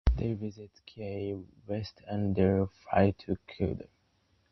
They visit Key West and then fly to Cuba.